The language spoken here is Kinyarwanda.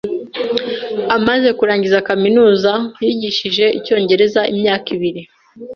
Amaze kurangiza kaminuza, yigishije icyongereza imyaka ibiri.